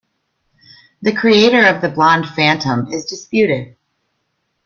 The creator of the Blonde Phantom is disputed.